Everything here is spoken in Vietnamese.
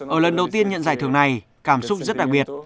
ở lần đầu tiên nhận giải thưởng này cảm xúc rất đặc biệt